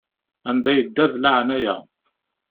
Anda yedda, d laɛnaya.